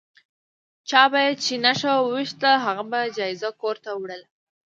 چا به چې نښه وویشته هغه به جایزه کور ته وړله.